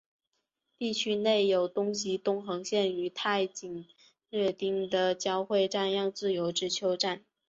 地域内有东急东横线与大井町线的交会站自由之丘站。